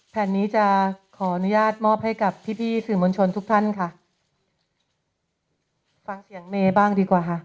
แผ่นนี้จะขออนุญาตมอบให้กับพี่พี่สื่อมวลชนทุกท่านค่ะฟังเสียงเมย์บ้างดีกว่าค่ะ